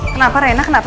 kenapa rena kenapa